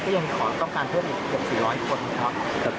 ก็ยังขอต้องการเพิ่มอีกเกือบ๔๐๐คน